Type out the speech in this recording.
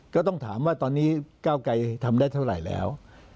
ก็ต้องถามว่าตอนนี้ก้าวไกรทำได้เท่าไหร่แล้ว